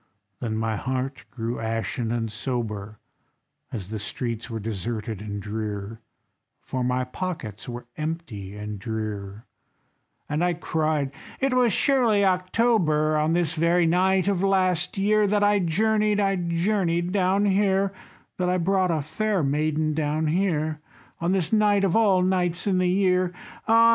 Then my heart it grew ashen and sober, As the streets were deserted and drear, For my pockets were empty and drear; And I cried: "It was surely October, On this very night of last year, That I journeyed, I journeyed down here, That I brought a fair maiden down here, On this night of all nights in the year! Ah!